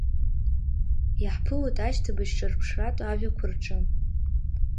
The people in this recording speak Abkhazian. Иаҳԥылоит ашьҭыбжьҿырԥшратә ажәақәа рҿы…